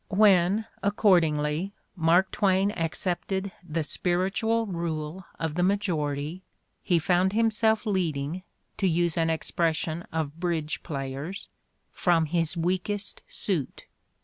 When, accordingly, Mark Twain accepted the spiritual rule of the majority, he found himself leading, to use an expression of bridge players, from his weakest suit.